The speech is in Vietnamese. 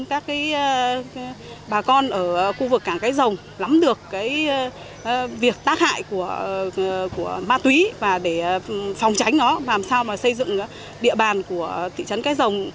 các bà con ở khu vực cảng cái rồng lắm được cái việc tác hại của ma túy và để phòng tránh nó làm sao mà xây dựng địa bàn của thị trấn cái rồng